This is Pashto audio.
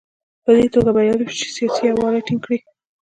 په دې توګه بریالی شو چې سیاسي یووالی ټینګ کړي.